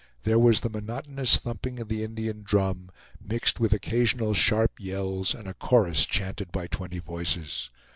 There was the monotonous thumping of the Indian drum, mixed with occasional sharp yells, and a chorus chanted by twenty voices.